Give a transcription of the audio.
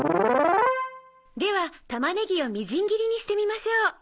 では玉ねぎをみじん切りにしてみましょう。